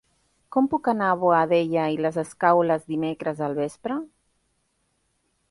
Com puc anar a Boadella i les Escaules dimecres al vespre?